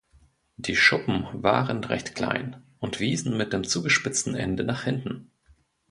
Die Schuppen waren recht klein und wiesen mit dem zugespitzten Ende nach hinten.